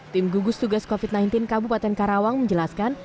tim gugus tugas covid sembilan belas kabupaten karawang menjelaskan